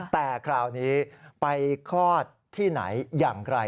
แต่คราวนี้ไปคลอดที่ไหนอย่างไร